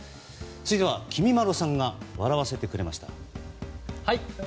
続いては、きみまろさんが笑わせてくれました。